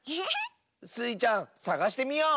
スイちゃんさがしてみよう！